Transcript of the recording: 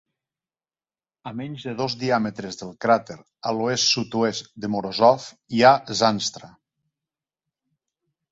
A menys de dos diàmetres del cràter a l'oest-sud-oest de Morozov, hi ha Zanstra.